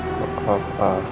kita bisa berdua